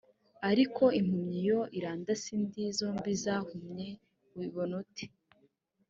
ariko impumyi iyo irandase indi zombi zahumye ubibona ute‽